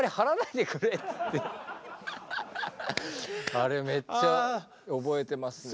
あれめっちゃ覚えてますね。